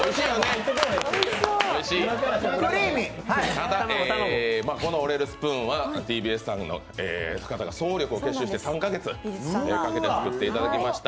ただ、この折れるスプーンはＴＢＳの方が総力を結集して、３か月かけて作っていただきました。